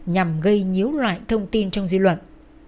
nhằm gây nhiếu loại thông tin trong dư luận